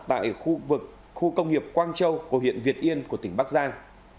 tại khu công nghiệp quang châu của huyện việt yên của tỉnh bắc giang